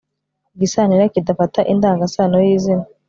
igisantera kidafata indangasano y'izina